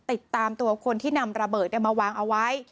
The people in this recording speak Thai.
ติดตามตัวคนที่นำระเบิดมาวางเอาไว้